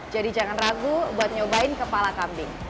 jadi jangan ragu buat nyobain kepala kambing